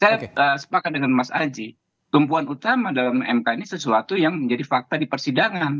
saya sepakat dengan mas aji tumpuan utama dalam mk ini sesuatu yang menjadi fakta di persidangan